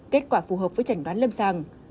kết quả phù hợp với trảnh đoán lâm sàng